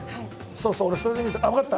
そうそう俺それ見てあっわかった！